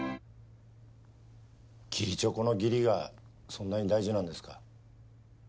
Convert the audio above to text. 義理チョコの義理がそんなに大事なんですか？